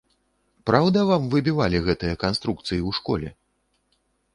Праўда вам выбівалі гэтыя канструкцыі ў школе?